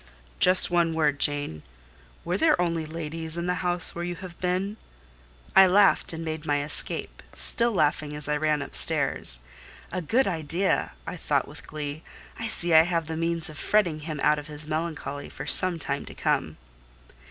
"Just one word, Jane: were there only ladies in the house where you have been?" I laughed and made my escape, still laughing as I ran upstairs. "A good idea!" I thought with glee. "I see I have the means of fretting him out of his melancholy for some time to come."